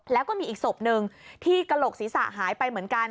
แล้วก็มีอีกศพหนึ่งที่กระโหลกศีรษะหายไปเหมือนกัน